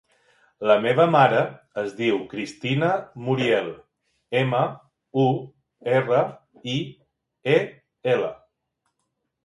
La meva mare es diu Cristina Muriel: ema, u, erra, i, e, ela.